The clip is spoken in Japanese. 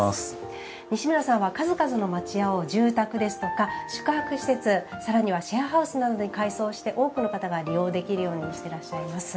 西村さんは数々の町家を住宅ですとか宿泊施設さらにはシェアハウスなどに改装して多くの方が利用できるようにしていらっしゃいます。